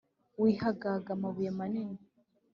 wahigaga amabuye manini